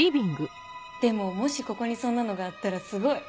でももしここにそんなのがあったらすごい。